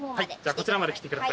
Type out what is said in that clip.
こちらまで来てください。